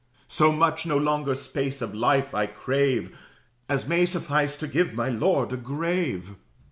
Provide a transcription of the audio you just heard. So much, no longer, space of life I crave, As may suffice to give my lord a grave.